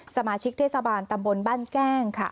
สมาชิกเทศบาลตำบลบ้านแก้งค่ะ